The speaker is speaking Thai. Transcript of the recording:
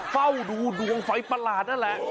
เฝ้าดูดวงไฟประหลาดนั่นแหละ